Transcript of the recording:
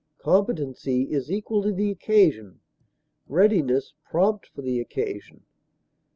Competency is equal to the occasion, readiness prompt for the occasion.